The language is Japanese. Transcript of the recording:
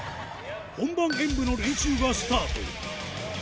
本番演武の練習がスタート